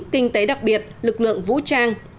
kinh tế đặc biệt lực lượng vũ trang